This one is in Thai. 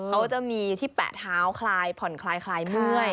เขาจะมีที่แปะเท้าพ่อนคลายคลายเมื่อย